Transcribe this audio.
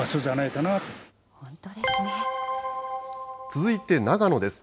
続いて長野です。